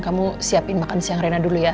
kamu siapin makan siang rena dulu ya